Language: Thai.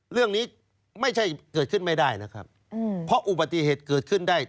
เรื่องนี้ไม่ใช่เกิดขึ้นไม่ได้นะครับเพราะอุบัติเหตุเกิดขึ้นได้